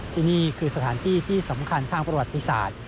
ที่นี่คือสถานที่ที่สำคัญทางประวัติศาสตร์